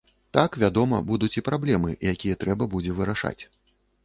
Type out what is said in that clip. Так, вядома, будуць і праблемы, якія трэба будзе вырашаць.